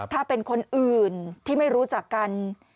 ถ้าเป็นคนอื่นที่ไม่รู้จักกัน